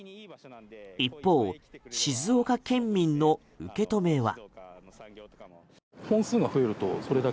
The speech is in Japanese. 一方静岡県民の受け止めは。わ！